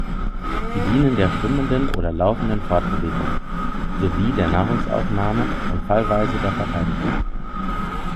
Sie dienen der schwimmenden oder laufenden Fortbewegung sowie der Nahrungsaufnahme und fallweise der Verteidigung.